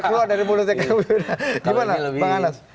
dia keluar dari mulutnya kang pipir gimana bang anas